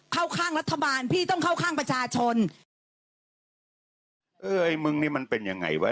เข้าข้างรัฐบาลพี่ต้องเข้าข้างประชาชนเออไอ้มึงนี่มันเป็นยังไงวะ